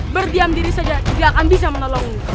berdiam diri saja dia akan bisa menolongmu